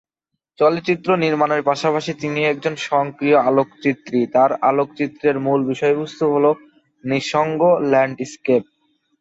চলচ্চিত্র নির্মাণের পাশাপাশি তিনি একজন সক্রিয় আলোকচিত্রী, তার আলোকচিত্রের মূল বিষয়বস্তু হল নিঃসঙ্গ ল্যান্ডস্কেপ।